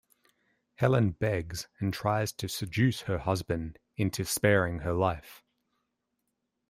Helen begs and tries to seduce her husband into sparing her life.